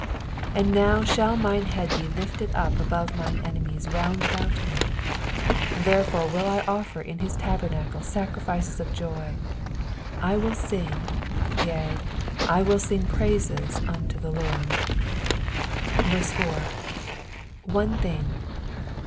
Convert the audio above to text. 6 And now shall mine head be lifted up above mine enemies round about me : therefore will I offer in his tabernacle sacrifices of joy ; I will sing, yea, I will sing praises unto the Lord, 4. " One thing."